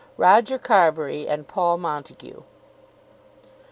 ROGER CARBURY AND PAUL MONTAGUE.